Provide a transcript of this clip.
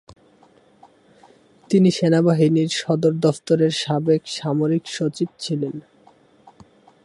তিনি সেনাবাহিনীর সদর দফতরের সাবেক সামরিক সচিব ছিলেন।